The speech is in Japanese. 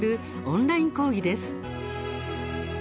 オンライン講義です。